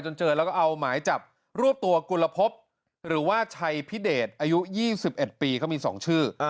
เจอแล้วก็เอาหมายจับรวบตัวกุลภพหรือว่าชัยพิเดชอายุ๒๑ปีเขามี๒ชื่อ